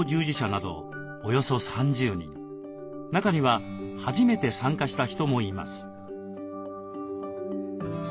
中には初めて参加した人もいます。